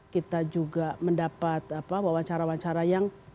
kita juga mendapat wawancara wawancara yang